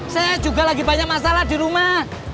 saya juga lagi banyak masalah di rumah